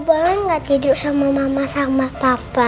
marah gak tigsama mama sama papa